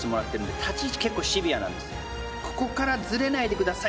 ここからズレないでください